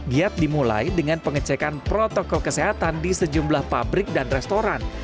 giat dimulai dengan pengecekan protokol kesehatan di sejumlah pabrik dan restoran